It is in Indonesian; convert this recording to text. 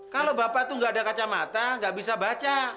kalau bapak itu nggak ada kacamata nggak bisa baca